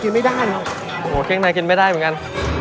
หมูเครื่องไนกินไม่ได้เหมือนกัน